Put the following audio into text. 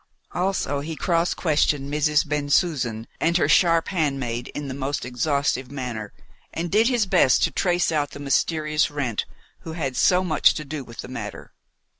Also he cross questioned Mrs. Bensusan and her sharp handmaid in the most exhaustive manner, and did his best to trace out the mysterious Wrent who had so much to do with the matter.